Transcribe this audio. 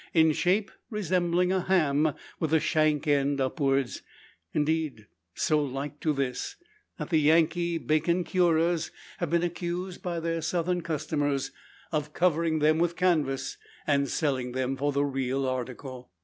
In shape resembling a ham, with the shank end upwards; indeed so like to this, that the Yankee bacon curers have been accused, by their southern customers, of covering them with canvas, and selling them for the real article!